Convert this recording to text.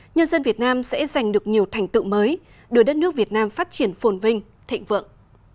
nhân dân việt nam sẽ giành được nhiều thành tựu mới đưa đất nước việt nam phát triển phồn vinh thịnh vượng